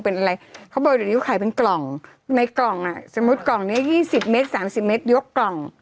เขาบอกว่าเดี๋ยวขายเป็นกล่องในกล่องอ่ะสมมุติกล่องนี้๒๐เมตร๓๐เมตรยกกล่อง